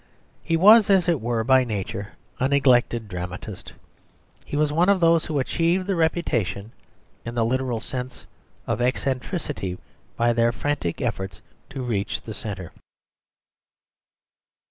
He was, as it were, by nature a neglected dramatist. He was one of those who achieve the reputation, in the literal sense, of eccentricity by their frantic efforts to reach the centre.